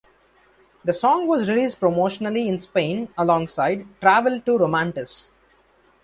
The song was released promotionally in Spain alongside "Travel To Romantis".